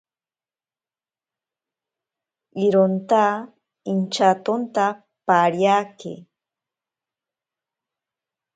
Ironta intyatonta pariake.